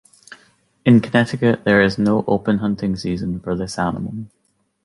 In Connecticut there is no open hunting season for this animal.